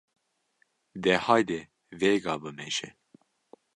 De haydê vêga bimeşe!’’